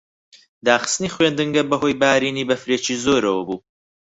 داخستنی خوێندنگە بەهۆی بارینی بەفرێکی زۆرەوە بوو.